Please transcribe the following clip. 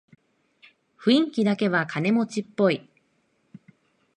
雰囲気だけは金持ちっぽい